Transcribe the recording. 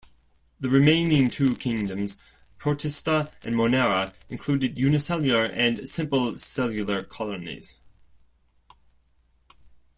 The remaining two kingdoms, Protista and Monera, included unicellular and simple cellular colonies.